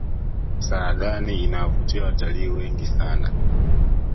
saadani inawavutia watalii wengi sana